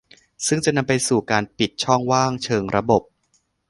ซึ่งจะนำไปสู่การปิดช่องว่างเชิงระบบ